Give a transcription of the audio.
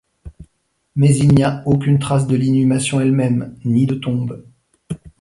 Mais il n’y a aucune trace de l’inhumation elle-même, ni de tombe.